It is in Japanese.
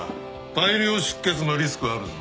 大量出血のリスクあるぞ。